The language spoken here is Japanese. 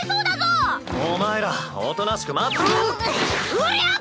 うりゃっ！